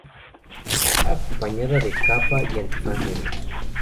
Va acompañada de capa y antifaz negros.